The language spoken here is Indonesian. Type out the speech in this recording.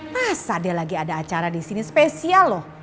masa dia lagi ada acara disini spesial loh